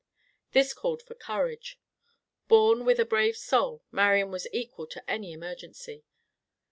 This called for courage. Born with a brave soul, Marian was equal to any emergency.